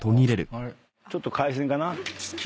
ちょっと回線かな？